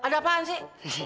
ada apaan sih